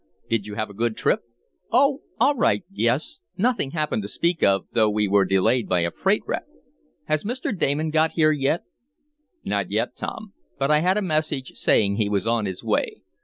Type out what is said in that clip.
"Did you have a good trip?" "Oh, all right, yes. Nothing happened to speak of, though we were delayed by a freight wreck. Has Mr. Damon got here yet?" "Not yet, Tom. But I had a message saying he was on his way.